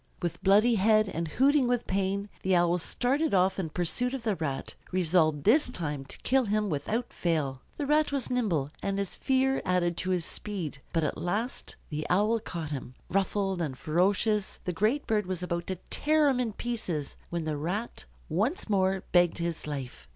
With bloody head, and hooting with pain, the Owl started off in pursuit of the Rat, resolved this time to kill him without fail. The Rat was nimble, and his fear added to his speed, but at last the Owl caught him. Ruffled and ferocious, the great bird was about to tear him in pieces, when the Rat once more begged his life.